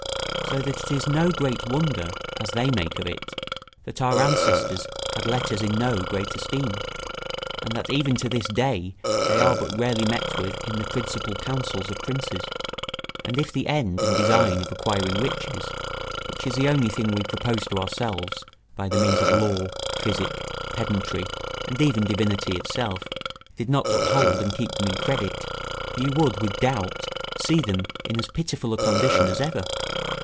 So that it is no so great wonder, as they make of it, that our ancestors had letters in no greater esteem, and that even to this day they are but rarely met with in the principal councils of princes; and if the end and design of acquiring riches, which is the only thing we propose to ourselves, by the means of law, physic, pedantry, and even divinity itself, did not uphold and keep them in credit, you would, with doubt, see them in as pitiful a condition as ever.